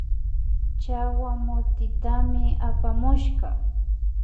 Chawa mutitami apamushka